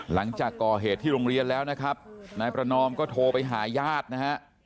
หลังจากก่อเหตุที่โรงเรียนแล้วนะครับนายประนอมก็โทรไปหาญาตินะฮะ